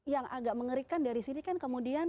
yang agak mengerikan dari sini kan kemudian